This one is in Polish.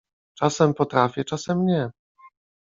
— Czasem potrafię, czasem nie…